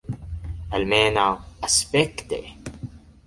Almenaŭ aspekte.